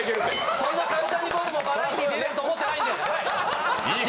そんな簡単に僕もバラエティー出れると思ってないんではい！